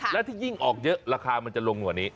แล้วที่ยิ่งออกเยอะราคามันจะลงกว่านี้